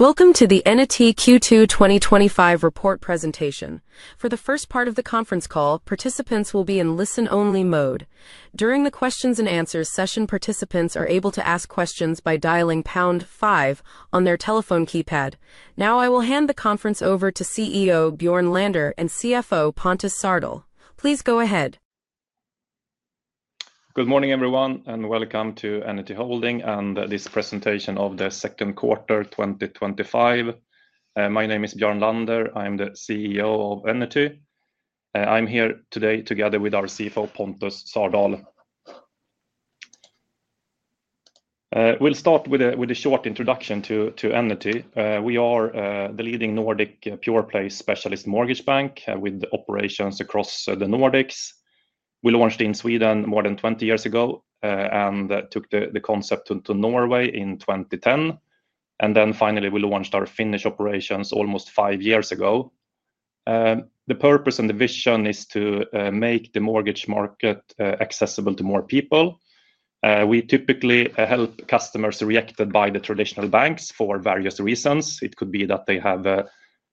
Welcome to the Enity Q2 2025 report presentation. For the first part of the conference call, participants will be in listen-only mode. During the questions and answers session, participants are able to ask questions by dialing #5 on their telephone keypad. Now, I will hand the conference over to CEO Björn Lander and CFO Pontus Sardal. Please go ahead. Good morning everyone, and welcome to Enity Holding and this presentation of the second quarter 2025. My name is Björn Lander, I am the CEO of Enity. I'm here today together with our CFO, Pontus Sardal. We'll start with a short introduction to Enity. We are the leading Nordic pure play specialist mortgage bank with operations across the Nordics. We launched in Sweden more than 20 years ago and took the concept to Norway in 2010. Finally, we launched our Finnish operations almost five years ago. The purpose and the vision is to make the mortgage market accessible to more people. We typically help customers rejected by the traditional banks for various reasons. It could be that they have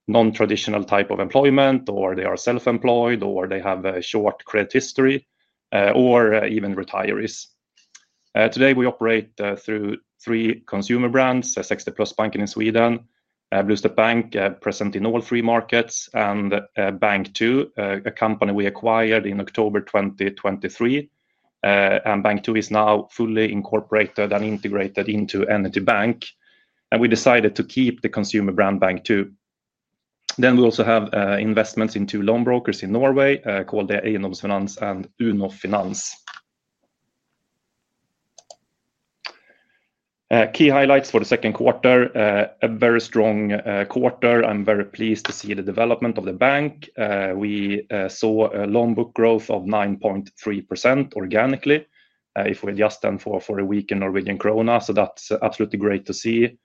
a non-traditional type of employment, or they are self-employed, or they have a short credit history, or even retirees. Today, we operate through three consumer brands: 60plusbanken in Sweden, Bluestep Bank, present in all three markets, and Bank2, a company we acquired in October 2023. Bank2 is now fully incorporated and integrated into Enity. We decided to keep the consumer brand Bank2. We also have investments in two loan brokers in Norway called Eiendomsfinans and UNO Finans. Key highlights for the second quarter: a very strong quarter. I'm very pleased to see the development of the bank. We saw a loan book growth of 9.3% organically. If we adjust for a weak Norwegian krona, that's absolutely great to see.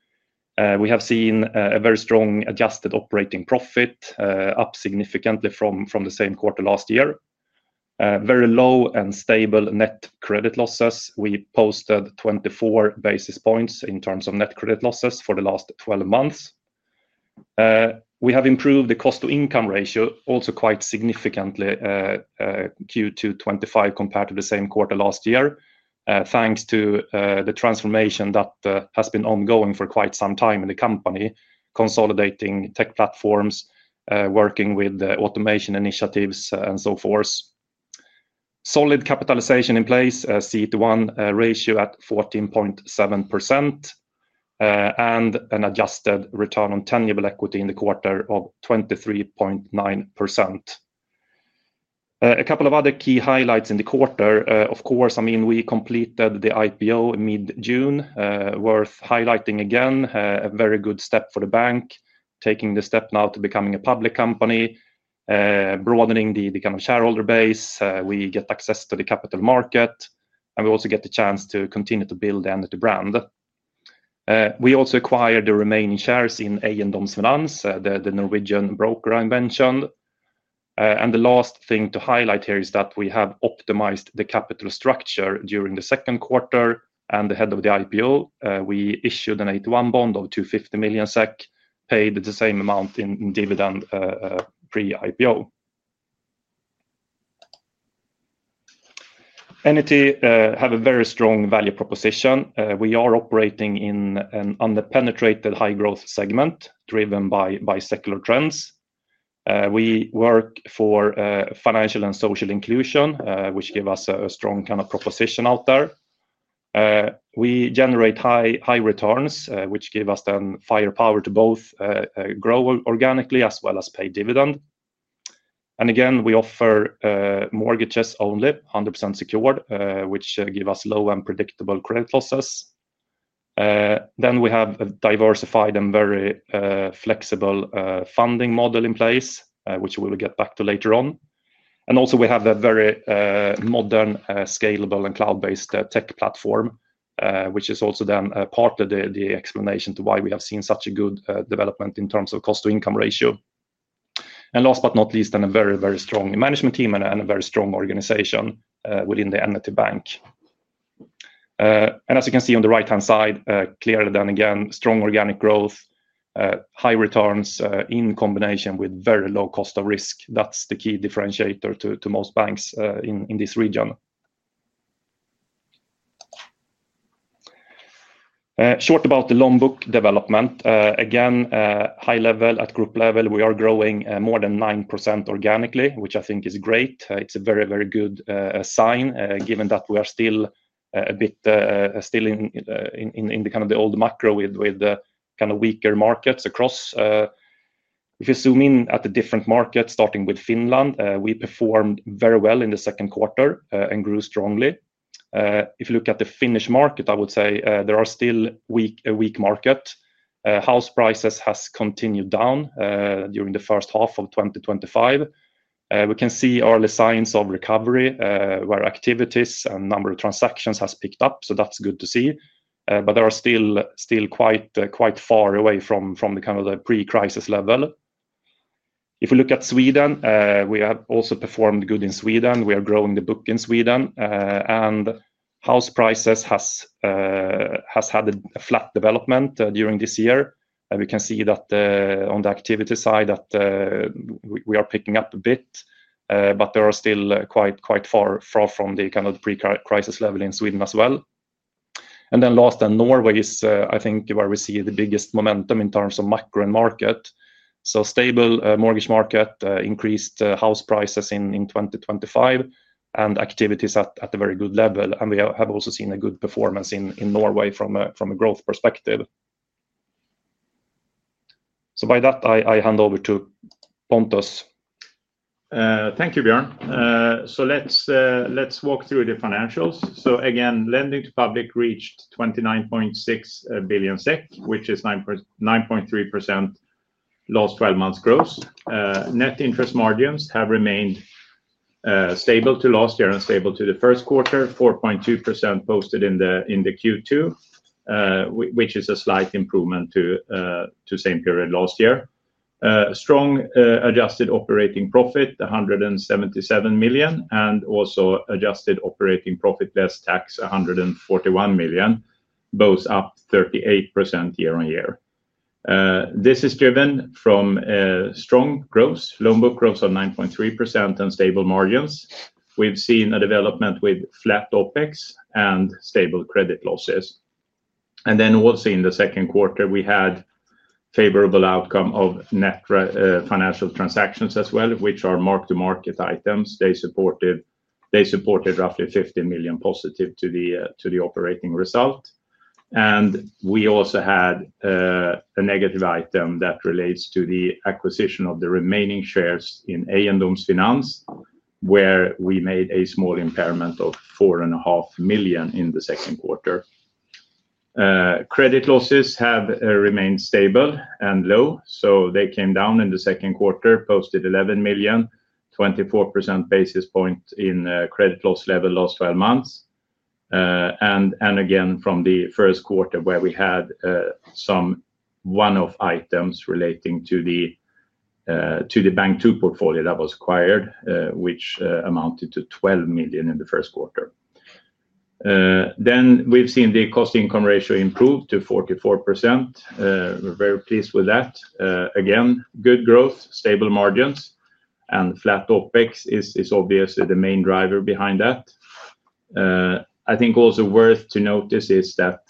We have seen a very strong adjusted operating profit, up significantly from the same quarter last year. Very low and stable net credit losses. We posted 24 basis points in terms of net credit losses for the last 12 months. We have improved the cost-to-income ratio also quite significantly in Q2 2025 compared to the same quarter last year, thanks to the transformation that has been ongoing for quite some time in the company, consolidating tech platforms, working with automation initiatives, and so forth. Solid capitalization in place, CET1 ratio at 14.7%, and an adjusted return on tangible equity in the quarter of 23.9%. A couple of other key highlights in the quarter. Of course, we completed the IPO mid-June. Worth highlighting again, a very good step for the bank, taking the step now to becoming a public company, broadening the kind of shareholder base. We get access to the capital market, and we also get the chance to continue to build the Enity brand. We also acquired the remaining shares in Eiendomsfinans, the Norwegian broker I mentioned. The last thing to highlight here is that we have optimized the capital structure during the second quarter and ahead of the IPO. We issued an 8 to 1 bond of 250 million SEK, paid the same amount in dividend pre-IPO. Enity has a very strong value proposition. We are operating in an unpenetrated high-growth segment driven by secular trends. We work for financial and social inclusion, which gives us a strong kind of proposition out there. We generate high returns, which give us then firepower to both grow organically as well as pay dividend. We offer mortgages only, 100% secured, which give us low and predictable credit losses. We have a diversified and very flexible funding model in place, which we will get back to later on. We have a very modern, scalable, and cloud-based tech platform, which is also then part of the explanation to why we have seen such a good development in terms of cost-to-income ratio. Last but not least, a very, very strong management team and a very strong organization within Enity Bank. As you can see on the right-hand side, clearer than again, strong organic growth, high returns in combination with very low cost of risk. That's the key differentiator to most banks in this region. Short about the loan book development, again, high level at group level, we are growing more than 9% organically, which I think is great. It's a very, very good sign given that we are still a bit still in the kind of the old macro with kind of weaker markets across. If you zoom in at the different markets, starting with Finland, we performed very well in the second quarter and grew strongly. If you look at the Finnish market, I would say there are still weak markets. House prices have continued down during the first half of 2025. We can see early signs of recovery where activities and number of transactions have picked up. That's good to see. There are still quite far away from the kind of the pre-crisis level. If we look at Sweden, we have also performed good in Sweden. We are growing the book in Sweden. House prices have had a flat development during this year. We can see that on the activity side that we are picking up a bit, but there are still quite far from the kind of the pre-crisis level in Sweden as well. Norway is, I think, where we see the biggest momentum in terms of macro and market. Stable mortgage market, increased house prices in 2025, and activities at a very good level. We have also seen a good performance in Norway from a growth perspective. By that, I hand over to Pontus. Thank you, Björn. Let's walk through the financials. Again, lending to public reached 29.6 billion SEK, which is 9.3% last 12 months growth. Net interest margins have remained stable to last year and stable to the first quarter, 4.2% posted in Q2, which is a slight improvement to the same period last year. Strong adjusted operating profit, 177 million, and also adjusted operating profit less tax, 141 million, both up 38% year on year. This is driven from strong growth, loan book growth of 9.3% and stable margins. We've seen a development with flat OpEx and stable credit losses. Also in the second quarter, we had a favorable outcome of net financial transactions as well, which are marked to market items. They supported roughly 15 million positive to the operating result. We also had a negative item that relates to the acquisition of the remaining shares in Eiendomsfinans, where we made a small impairment of 4.5 million in the second quarter. Credit losses have remained stable and low. They came down in the second quarter, posted 11 million, 24 basis points in credit loss level last 12 months. Again, from the first quarter where we had some one-off items relating to the Bank2 portfolio that was acquired, which amounted to 12 million in the first quarter. We've seen the cost-to-income ratio improve to 44%. We're very pleased with that. Again, good growth, stable margins, and flat OpEx is obviously the main driver behind that. I think also worth to notice is that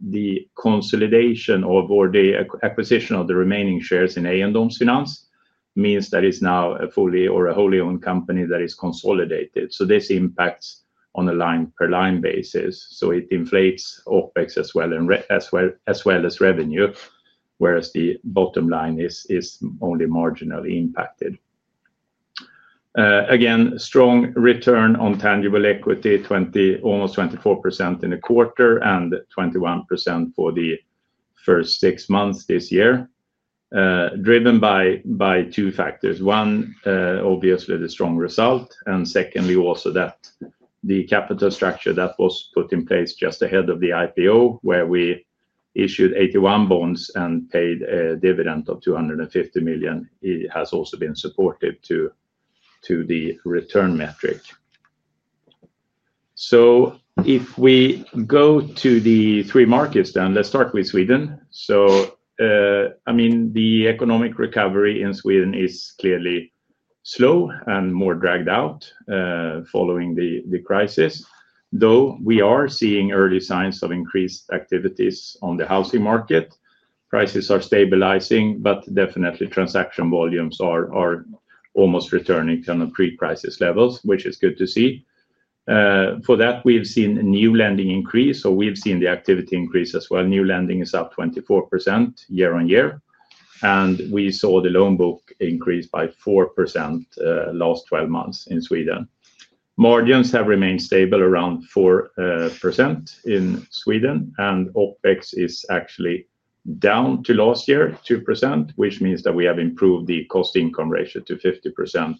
the consolidation or the acquisition of the remaining shares in Eiendomsfinans means that it's now a wholly owned company that is consolidated. This impacts on a line-per-line basis. It inflates OpEx as well as revenue, whereas the bottom line is only marginally impacted. Again, strong return on tangible equity, almost 24% in the quarter and 21% for the first six months this year, driven by two factors. One, obviously the strong result, and secondly also that the capital structure that was put in place just ahead of the IPO, where we issued 81 million bonds and paid a dividend of 250 million, has also been supportive to the return metric. If we go to the three markets, let's start with Sweden. The economic recovery in Sweden is clearly slow and more dragged out following the crisis. Though we are seeing early signs of increased activities on the housing market, prices are stabilizing, but definitely transaction volumes are almost returning to kind of pre-crisis levels, which is good to see. For that, we've seen a new lending increase, so we've seen the activity increase as well. New lending is up 24% year on year. We saw the loan book increase by 4% last 12 months in Sweden. Margins have remained stable around 4% in Sweden, and OpEx is actually down to last year 2%, which means that we have improved the cost-to-income ratio to 50%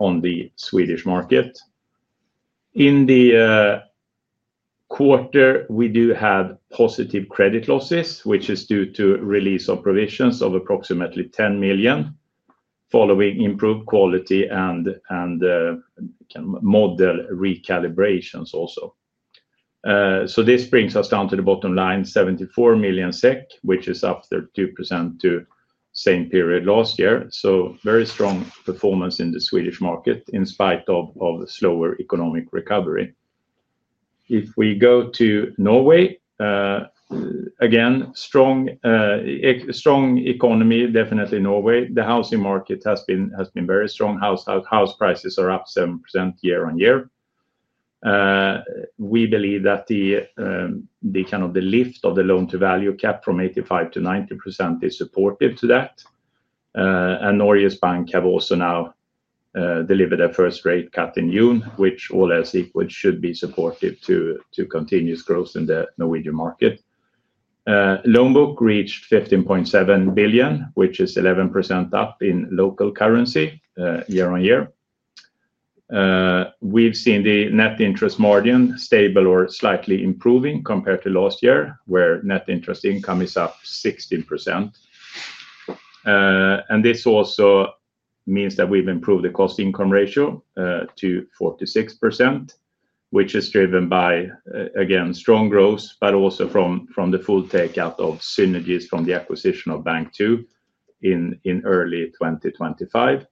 on the Swedish market. In the quarter, we do have positive credit losses, which is due to the release of provisions of approximately 10 million following improved quality and model recalibrations also. This brings us down to the bottom line, 74 million SEK, which is up 2% to the same period last year. Very strong performance in the Swedish market in spite of the slower economic recovery. If we go to Norway, again, strong economy, definitely Norway. The housing market has been very strong. House prices are up 7% year on year. We believe that the lift of the loan-to-value cap from 85%-90% is supportive to that. Norges Bank have also now delivered their first rate cut in June, which all else equals, should be supportive to continuous growth in the Norwegian market. Loan book reached 15.7 billion, which is 11% up in local currency year on year. We've seen the net interest margin stable or slightly improving compared to last year, where net interest income is up 16%. This also means that we've improved the cost-to-income ratio to 46%, which is driven by strong growth, but also from the full takeout of synergies from the acquisition of Bank2 in early 2025.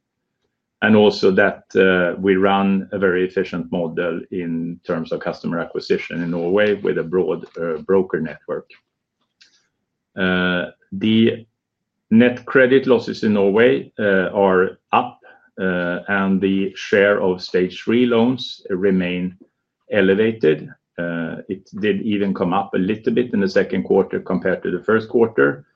Also, we run a very efficient model in terms of customer acquisition in Norway with a broad broker network. The net credit losses in Norway are up, and the share of stage three loans remain elevated. It did even come up a little bit in the second quarter compared to the first quarter,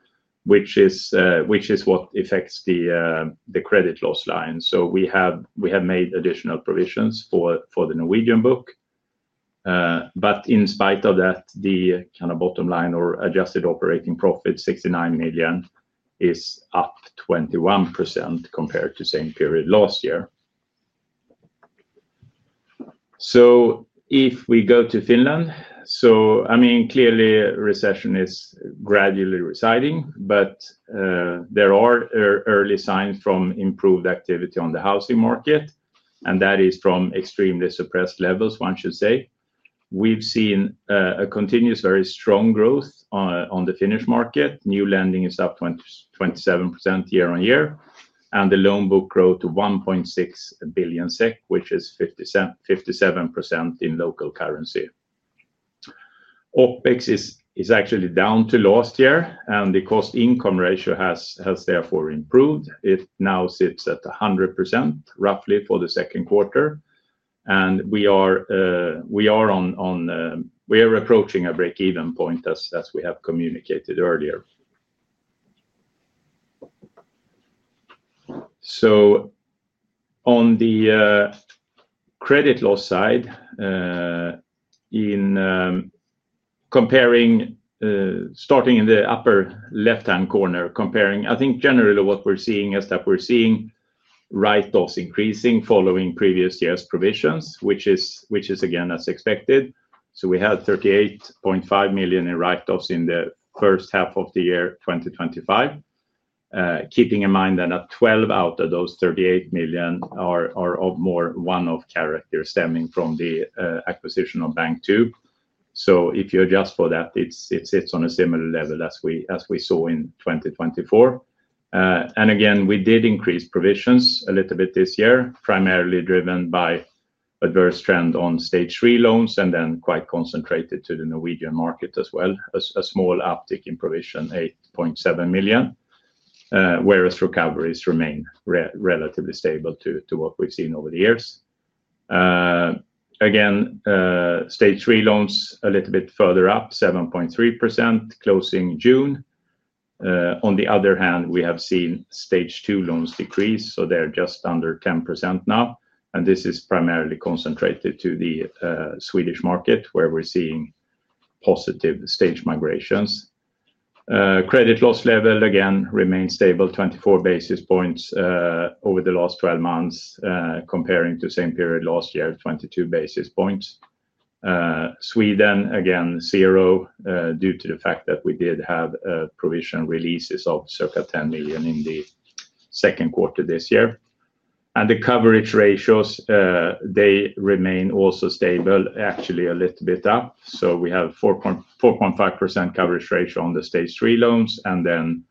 which is what affects the credit loss line. We have made additional provisions for the Norwegian book. In spite of that, the bottom line or adjusted operating profit, 69 million, is up 21% compared to the same period last year. If we go to Finland, clearly recession is gradually receding, but there are early signs from improved activity on the housing market. That is from extremely suppressed levels, one should say. We've seen a continuous very strong growth on the Finnish market. New lending is up 27% year on year, and the loan book growth to 1.6 billion SEK, which is 57% in local currency. OpEx is actually down to last year, and the cost-to-income ratio has therefore improved. It now sits at roughly 100% for the second quarter, and we are approaching a break-even point, as we have communicated earlier. On the credit loss side, starting in the upper left-hand corner, generally what we're seeing is that write-offs are increasing following previous year's provisions, which is, again, as expected. We had 38.5 million in write-offs in the first half of the year 2025. Keeping in mind that 12 million out of those 38 million are of more one-off character stemming from the acquisition of Bank2. If you adjust for that, it sits on a similar level as we saw in 2024. Again, we did increase provisions a little bit this year, primarily driven by adverse trend on stage three loans and then quite concentrated to the Norwegian market as well, a small uptick in provision, 8.7 million, whereas recoveries remain relatively stable to what we've seen over the years. Again, stage three loans a little bit further up, 7.3% closing June. On the other hand, we have seen stage two loans decrease, so they're just under 10% now. This is primarily concentrated to the Swedish market, where we're seeing positive stage migrations. Credit loss level, again, remains stable, 24 basis points over the last 12 months, comparing to the same period last year, 22 basis points. Sweden, again, zero due to the fact that we did have provision releases of circa 10 million in the second quarter this year. The coverage ratios remain also stable, actually a little bit up. We have 4.5% coverage ratio on the stage three loans and then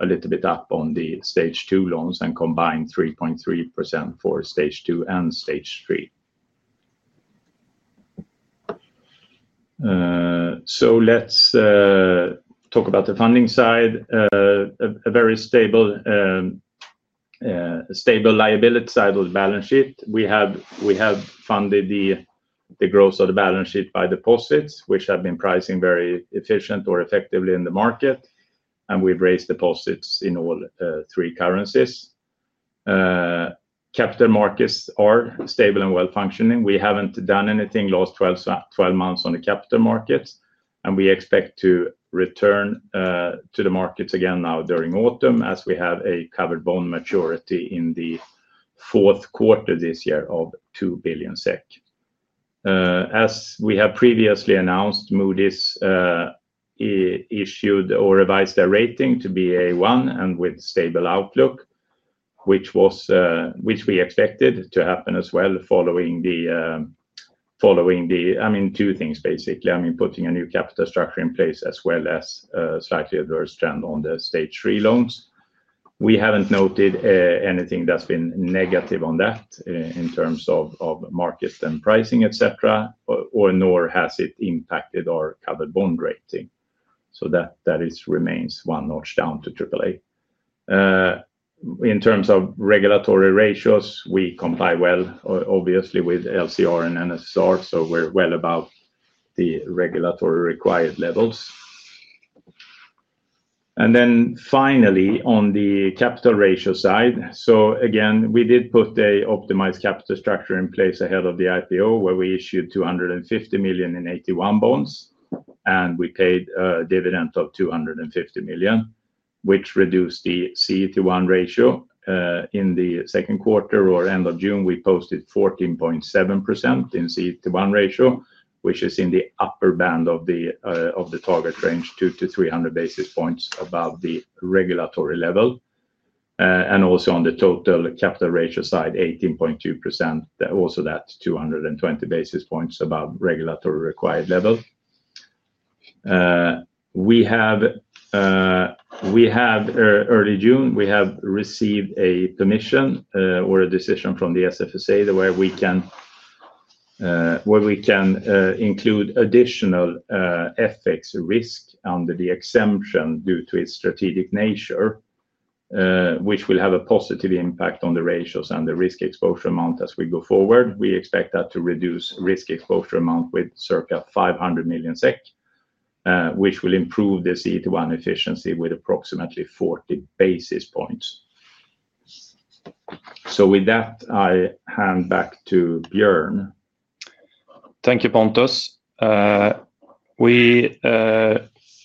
a little bit up on the stage two loans and combined 3.3% for stage two and stage three. Let's talk about the funding side. A very stable liability side of the balance sheet. We have funded the growth of the balance sheet by deposits, which have been pricing very efficiently or effectively in the market. We raised deposits in all three currencies. Capital markets are stable and well-functioning. We haven't done anything in the last 12 months on the capital markets. We expect to return to the markets again now during autumn as we have a covered bond maturity in the fourth quarter this year of 2 billion SEK. As we have previously announced, Moody's issued or revised their rating to be A1 with a stable outlook, which we expected to happen as well following two things basically. Putting a new capital structure in place as well as a slightly adverse trend on the stage three loans. We haven't noted anything that's been negative on that in terms of markets and pricing, etc., nor has it impacted our covered bond rating. That remains one notch down to AAA. In terms of regulatory ratios, we comply well, obviously, with LCR and NSR, so we're well above the regulatory required levels. Finally, on the capital ratio side, we did put an optimized capital structure in place ahead of the IPO where we issued 250 million in AT1 bonds. We paid a dividend of 250 million, which reduced the CET1 ratio. In the second quarter or end of June, we posted 14.7% in CET1 ratio, which is in the upper band of the target range, 200-300 basis points above the regulatory level. Also, on the total capital ratio side, 18.2%, also that 220 basis points above regulatory required level. Early June, we received a permission or a decision from the SFSA where we can include additional FX risk under the exemption due to its strategic nature, which will have a positive impact on the ratios and the risk exposure amount as we go forward. We expect that to reduce risk exposure amount with circa 500 million SEK, which will improve the CET1 efficiency with approximately 40 basis points. With that, I hand back to Björn. Thank you, Pontus. We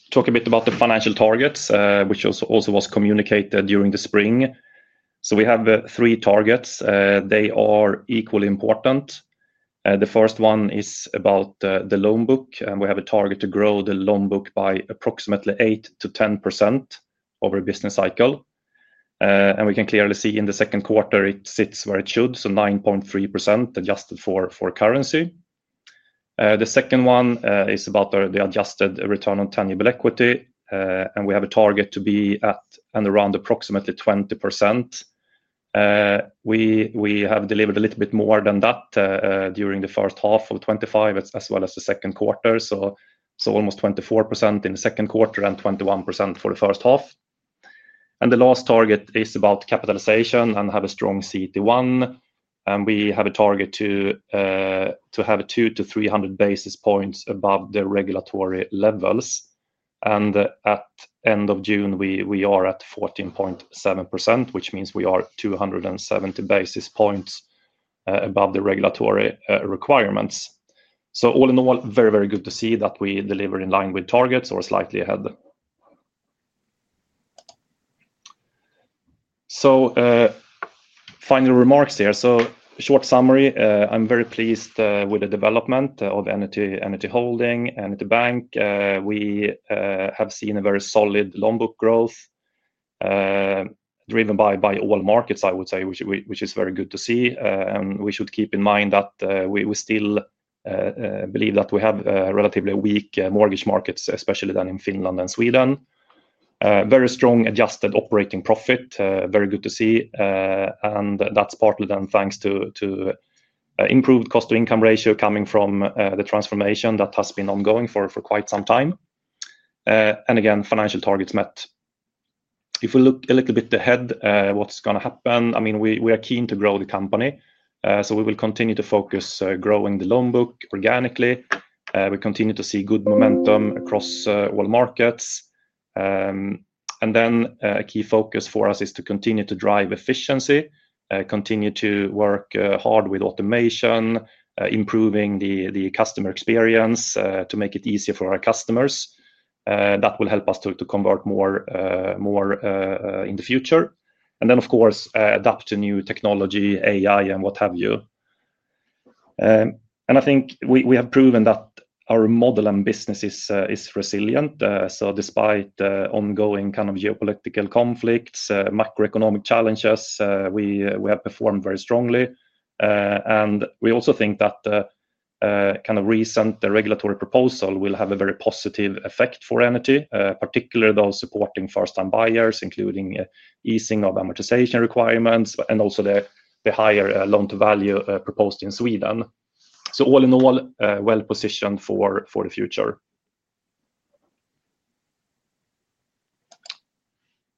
talk a bit about the financial targets, which also was communicated during the spring. We have three targets. They are equally important. The first one is about the loan book, and we have a target to grow the loan book by approximately 8%-10% over a business cycle. We can clearly see in the second quarter it sits where it should, so 9.3% adjusted for currency. The second one is about the adjusted return on tangible equity, and we have a target to be at and around approximately 20%. We have delivered a little bit more than that during the first half of 2025, as well as the second quarter. Almost 24% in the second quarter and 21% for the first half. The last target is about capitalization and having a strong CET1 ratio. We have a target to have a 200-300 basis points above the regulatory levels. At the end of June, we are at 14.7%, which means we are 270 basis points above the regulatory requirements. All in all, very, very good to see that we deliver in line with targets or slightly ahead. Final remarks here. Short summary, I'm very pleased with the development of Enity Holding AB, Enity Bank. We have seen a very solid loan book growth driven by all markets, I would say, which is very good to see. We should keep in mind that we still believe that we have relatively weak mortgage markets, especially in Finland and Sweden. Very strong adjusted operating profit, very good to see. That's partly thanks to the improved cost-to-income ratio coming from the transformation that has been ongoing for quite some time. Again, financial targets met. If we look a little bit ahead, what's going to happen? We are keen to grow the company. We will continue to focus on growing the loan book organically. We continue to see good momentum across all markets. A key focus for us is to continue to drive efficiency, continue to work hard with automation, improving the customer experience to make it easier for our customers. That will help us to convert more in the future. Of course, adapt to new technology, AI, and what have you. I think we have proven that our model and business is resilient. Despite ongoing geopolitical conflicts and macroeconomic challenges, we have performed very strongly. We also think that the recent regulatory proposal will have a very positive effect for Enity, particularly those supporting first-time buyers, including easing of amortization requirements and also the higher loan-to-value cap proposed in Sweden. All in all, well positioned for the future.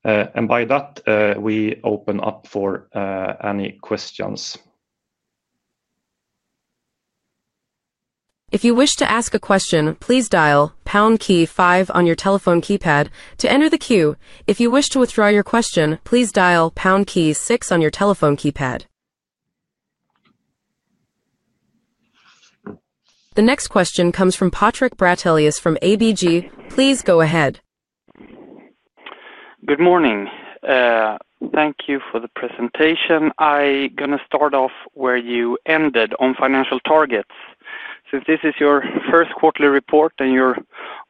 By that, we open up for any questions. If you wish to ask a question, please dial pound key five on your telephone keypad to enter the queue. If you wish to withdraw your question, please dial pound key six on your telephone keypad. The next question comes from Patrik Brattelius from ABG. Please go ahead. Good morning. Thank you for the presentation. I'm going to start off where you ended on financial targets. Since this is your first quarterly report and you're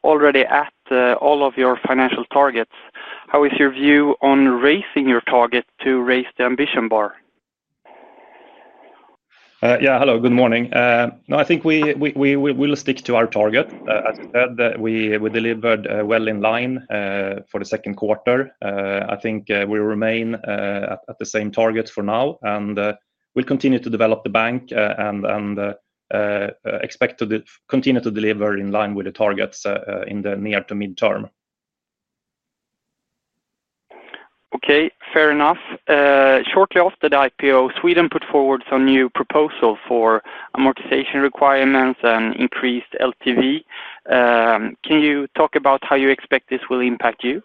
already at all of your financial targets, how is your view on raising your target to raise the ambition bar? Hello, good morning. I think we will stick to our target. As I said, we delivered well in line for the second quarter. I think we remain at the same targets for now. We'll continue to develop the bank and expect to continue to deliver in line with the targets in the near to midterm. Okay, fair enough. Shortly after the IPO, Sweden put forward some new proposals for amortization requirements and increased loan-to-value cap. Can you talk about how you expect this will impact you?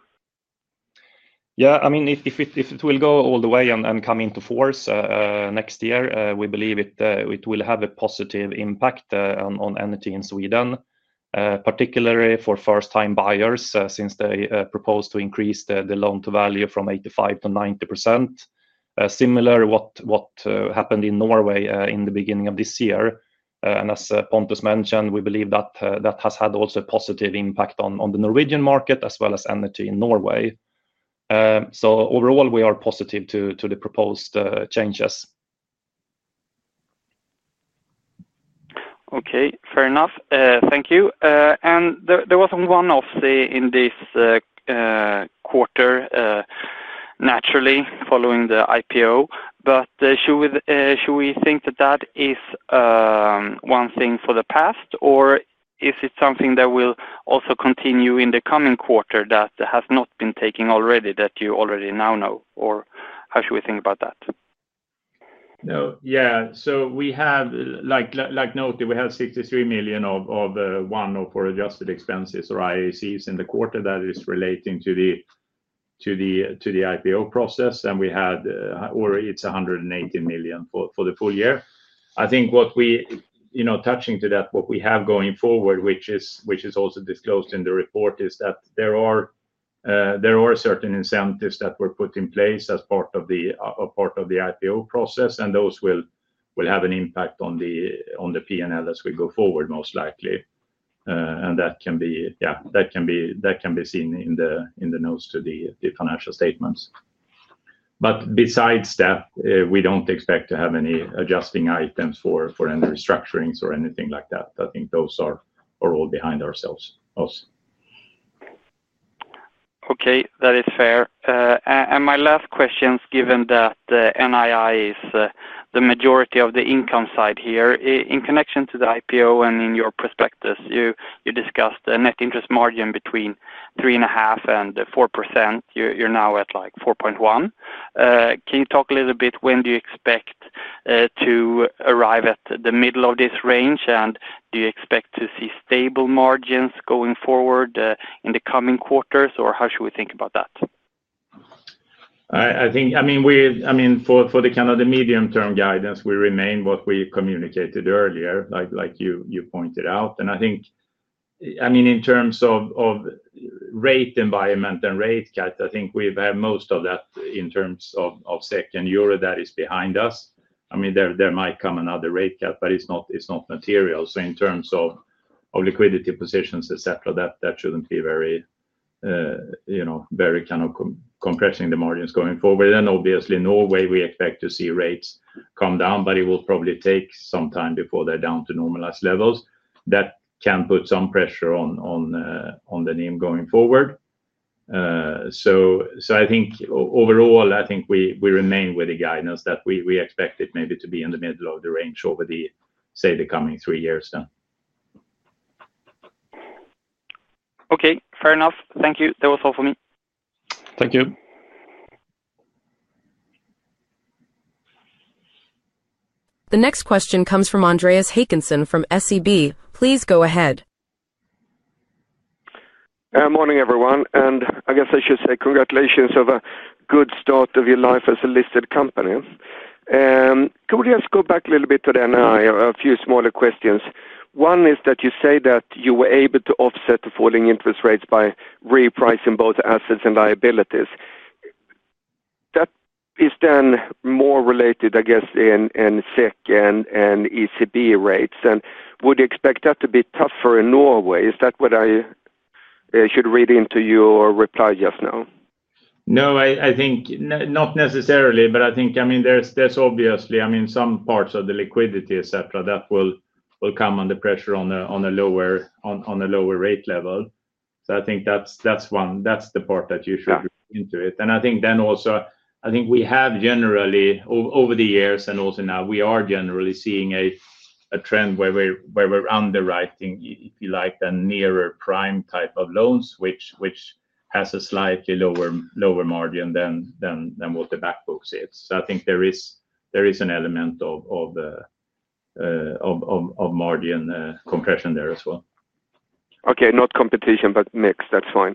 Yeah, I mean, if it will go all the way and come into force next year, we believe it will have a positive impact on Enity in Sweden, particularly for first-time buyers since they propose to increase the loan-to-value from 85%-90%. Similar to what happened in Norway in the beginning of this year. As Pontus mentioned, we believe that that has had also a positive impact on the Norwegian market as well as Enity in Norway. Overall, we are positive to the proposed changes. Okay, fair enough. Thank you. There was a one-off in this quarter, naturally, following the IPO. Should we think that that is one thing for the past, or is it something that will also continue in the coming quarter that has not been taken already that you already now know, or how should we think about that? Yeah, like noted, we had 63 million of one-off or adjusted expenses or IACs in the quarter that is relating to the IPO process. We had already 180 million for the full year. I think, touching to that, what we have going forward, which is also disclosed in the report, is that there are certain incentives that were put in place as part of the IPO process, and those will have an impact on the P&L as we go forward, most likely. That can be seen in the notes to the financial statements. Besides that, we don't expect to have any adjusting items for any restructurings or anything like that. I think those are all behind ourselves. Okay, that is fair. My last question is given that NII is the majority of the income side here, in connection to the IPO and in your perspectives, you discussed a net interest margin between 3.5% and 4%. You're now at like 4.1%. Can you talk a little bit when do you expect to arrive at the middle of this range, and do you expect to see stable margins going forward in the coming quarters, or how should we think about that? I think for the kind of the medium-term guidance, we remain what we communicated earlier, like you pointed out. I think in terms of rate environment and rate cut, we've had most of that in terms of second euro that is behind us. There might come another rate cut, but it's not material. In terms of liquidity positions, et cetera, that shouldn't be very, you know, very kind of compressing the margins going forward. Obviously, Norway, we expect to see rates come down, but it will probably take some time before they're down to normalized levels. That can put some pressure on the name going forward. I think overall, we remain with the guidance that we expect it maybe to be in the middle of the range over the, say, the coming three years. Okay, fair enough. Thank you. That was all for me. Thank you. The next question comes from Andreas Håkansson from SEB. Please go ahead. Morning everyone, and I guess I should say congratulations on a good start of your life as a listed company. Could we just go back a little bit to the NII? A few smaller questions. One is that you say that you were able to offset the falling interest rates by repricing both assets and liabilities. That is then more related, I guess, in SEK and ECB rates. Would you expect that to be tougher in Norway? Is that what I should read into your reply just now? I think not necessarily, but there's obviously some parts of the liquidity, et cetera, that will come under pressure on a lower rate level. That's the part that you should read into it. I think we have generally, over the years and also now, we are generally seeing a trend where we're underwriting, if you like, the nearer prime type of loans, which has a slightly lower margin than what the back book is. I think there is an element of margin compression there as well. Okay, not competition, but mix, that's fine.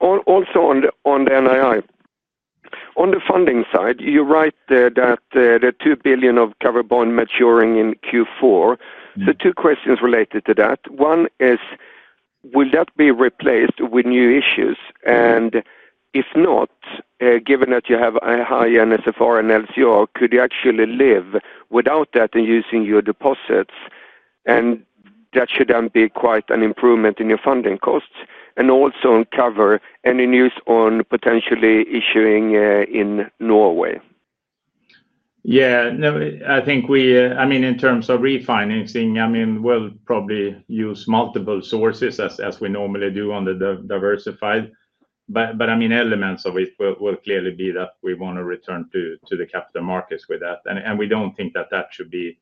Also on the NII, on the funding side, you write that there are 2 billion of covered bonds maturing in Q4. Two questions related to that. One is, will that be replaced with new issues? If not, given that you have a high NSR and LCR, could you actually live without that and use your deposits? That should then be quite an improvement in your funding costs and also uncover any news on potentially issuing in Norway. Yeah, no, I think we, I mean, in terms of refinancing, we'll probably use multiple sources as we normally do on the diversified. I mean, elements of it will clearly be that we want to return to the capital markets with that, and we don't think that that should be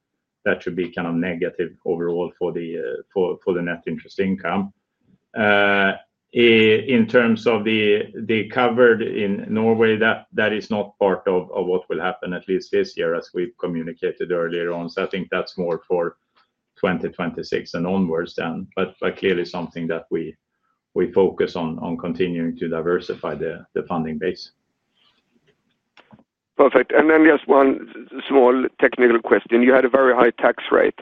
kind of negative overall for the net interest income. In terms of the covered in Norway, that is not part of what will happen at least this year as we've communicated earlier on. I think that's more for 2026 and onwards. Clearly, something that we focus on is continuing to diversify the funding base. Perfect. Just one small technical question. You had a very high tax rate,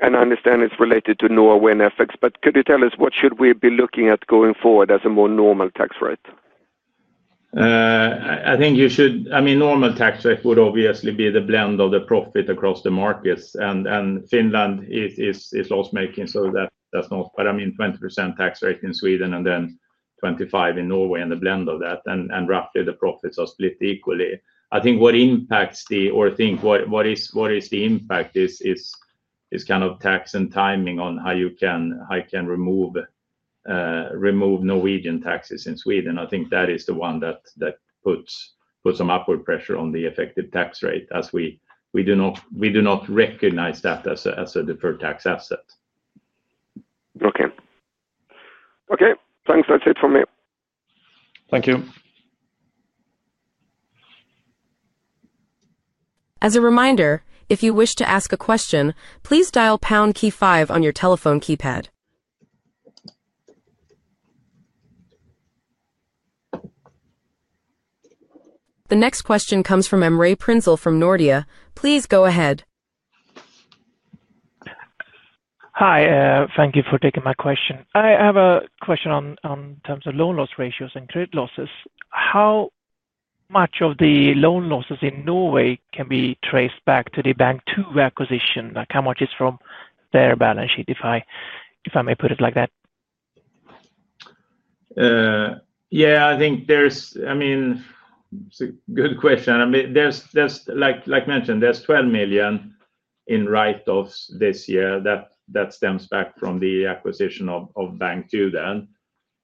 and I understand it's related to Norway and FX. Could you tell us what should we be looking at going forward as a more normal tax rate? I think you should, I mean, normal tax rate would obviously be the blend of the profit across the markets. Finland is loss-making, so that's not, I mean, 20% tax rate in Sweden and then 25% in Norway and the blend of that. Roughly the profits are split equally. I think what impacts the, or I think what is the impact is kind of tax and timing on how you can remove Norwegian taxes in Sweden. I think that is the one that puts some upward pressure on the effective tax rate as we do not recognize that as a deferred tax asset. Okay, okay, thanks. That's it for me. Thank you. As a reminder, if you wish to ask a question, please dial the pound key five on your telephone keypad. The next question comes from Emre Prinzell from Nordea. Please go ahead. Hi, thank you for taking my question. I have a question in terms of loan loss ratios and credit losses. How much of the loan losses in Norway can be traced back to the Bank2 acquisition? Like how much is from their balance sheet, if I may put it like that? Yeah, I think it's a good question. Like mentioned, there's 12 million in write-offs this year that stems back from the acquisition of Bank2 then.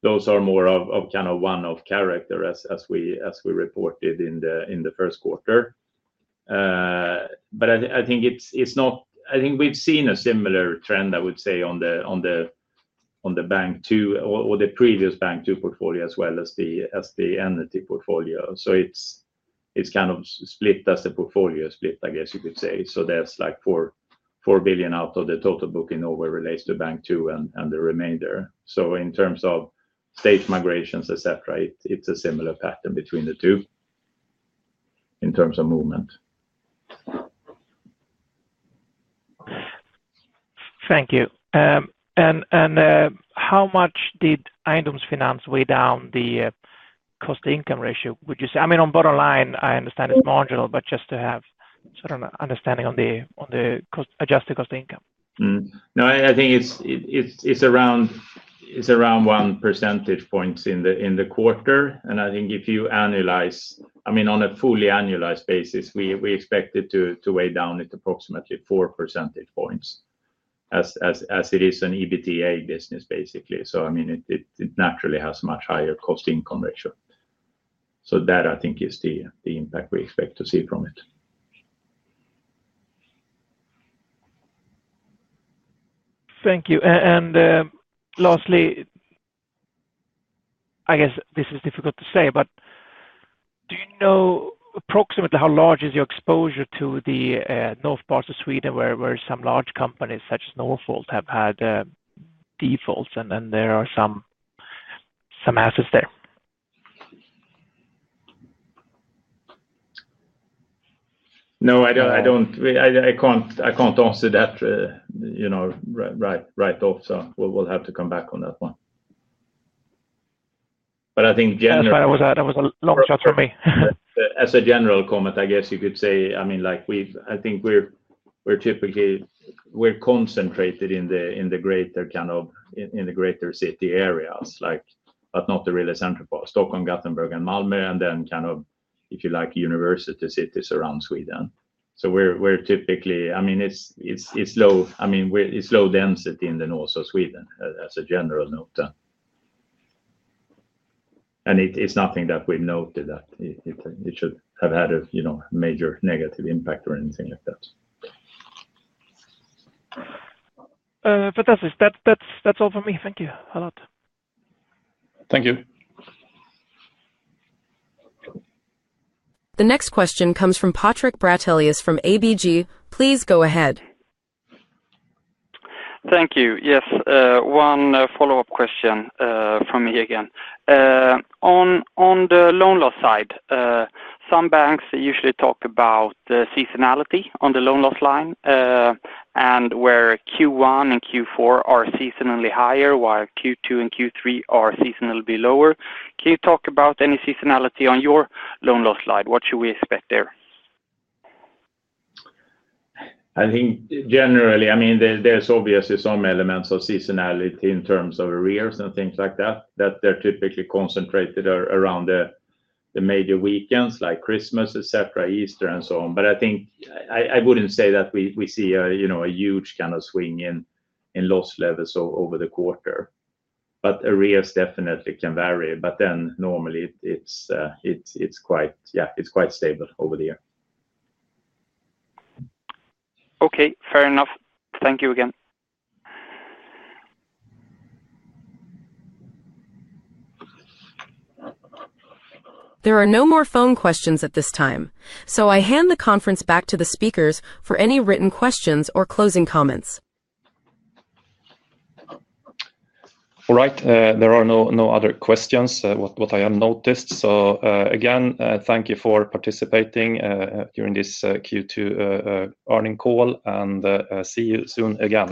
Those are more of kind of one-off character as we reported in the first quarter. I think we've seen a similar trend, I would say, on the Bank2 or the previous Bank2 portfolio as well as the Enity portfolio. It's kind of split as the portfolio is split, I guess you could say. There's like 4 billion out of the total book in Norway relates to Bank2 and the remainder. In terms of stage migrations, et cetera, it's a similar pattern between the two in terms of movement. Thank you. How much did Eiendomsfinans weigh down the cost-to-income ratio? Would you say, I mean, on bottom line, I understand it's marginal, but just to have a certain understanding on the adjusted cost-to-income. No, I think it's around one percentage point in the quarter. I think if you annualize, I mean, on a fully annualized basis, we expect it to weigh down at approximately 4% as it is an EBITDA business, basically. It naturally has a much higher cost-to-income ratio. That, I think, is the impact we expect to see from it. Thank you. Lastly, I guess this is difficult to say, but do you know approximately how large is your exposure to the north parts of Sweden where some large companies such as Northvolt have had defaults and there are some assets there? I can't answer that right off. We'll have to come back on that one. I think generally. That was a long shot for me. As a general comment, I guess you could say, I mean, like I think we're typically concentrated in the greater kind of in the greater city areas, like but not the real center part, Stockholm, Gothenburg, and Malmö, and then kind of, if you like, university cities around Sweden. We're typically, I mean, it's low, I mean, it's low density in the north of Sweden as a general note. It's nothing that we've noted that it should have had a major negative impact or anything like that. Fantastic. That's all for me. Thank you a lot. Thank you. The next question comes from Patrik Brattelius from ABG. Please go ahead. Thank you. Yes, one follow-up question for me again. On the loan loss side, some banks usually talk about seasonality on the loan loss line, where Q1 and Q4 are seasonally higher while Q2 and Q3 are seasonally lower. Can you talk about any seasonality on your loan loss slide? What should we expect there? I think generally, I mean, there's obviously some elements of seasonality in terms of arrears and things like that, that are typically concentrated around the major weekends like Christmas, Easter, and so on. I wouldn't say that we see a huge kind of swing in loss levels over the quarter. Arrears definitely can vary, but normally it's quite stable over the year. Okay, fair enough. Thank you again. There are no more phone questions at this time. I hand the conference back to the speakers for any written questions or closing comments. All right, there are no other questions, what I have noticed. Again, thank you for participating during this Q2 earning call and see you soon again.